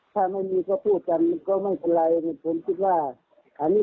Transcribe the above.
ถ้าไม่มีก็พูดกันก็มั่นจะอะไร